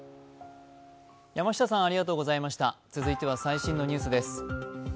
続いては最新のニュースです。